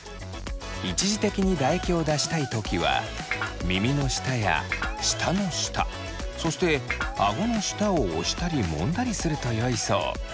一時的に唾液を出したい時は耳の下や舌の下そしてあごの下を押したりもんだりするとよいそう。